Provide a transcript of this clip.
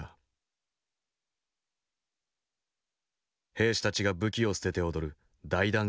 兵士たちが武器を捨てて踊る大団円である。